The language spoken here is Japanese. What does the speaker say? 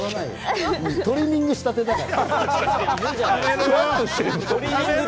トリミングしたてだから。